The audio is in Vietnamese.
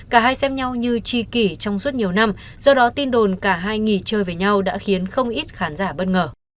cả hai xem nhau như chi kỷ trong suốt nhiều năm do đó tin đồn cả hai nghỉ chơi với nhau đã khiến không ít khán giả bất ngờ